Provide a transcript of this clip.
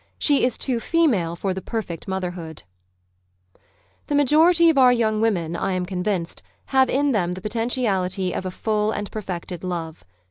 She is too female for the perfect motherhood ! The majority of our young women, I am con vinced, have in them the potentiality of a full and perfected love.